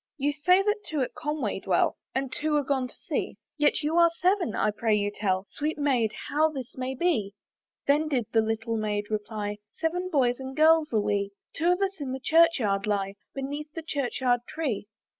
"You say that two at Conway dwell, "And two are gone to sea, "Yet you are seven; I pray you tell "Sweet Maid, how this may be?" Then did the little Maid reply, "Seven boys and girls are we; "Two of us in the church yard lie, "Beneath the church yard tree."